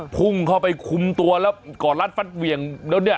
พุ่งเข้าไปคุมตัวแล้วกอดรัดฟัดเหวี่ยงแล้วเนี่ย